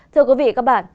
thưa quý vị các bạn